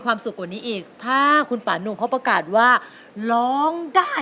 คือต่อแต่อายนั้น